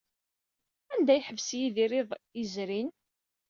Anda ay yeḍḍes Yidir iḍ yezrin?